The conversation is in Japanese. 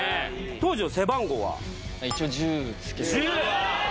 当時の背番号は？